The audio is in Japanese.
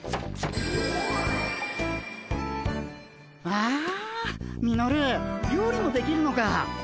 わあミノル料理もできるのか。